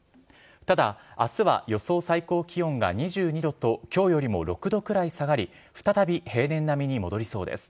ただ、あすは予想最高気温が２２度と、きょうよりも６度くらい下がり、再び平年並みに戻りそうです。